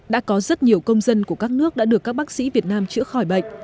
đã có rất nhiều công dân của các nước đã được các bác sĩ việt nam chữa khỏi bệnh